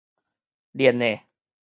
輾的